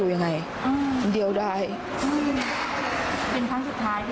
อืม